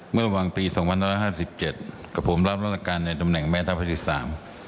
เมื่อระหว่างปี๒๕๕๗กระผมรับรัฐการในตำแหน่งแม่ทภภิษฐา